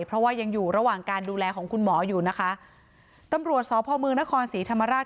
เพราะว่ายังอยู่ระหว่างการดูแลของคุณหมออยู่นะคะตำรวจสพมนครศรีธรรมราช